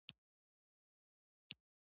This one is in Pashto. کلیوالو به د ژمي د يخو څپو په مقابل کې.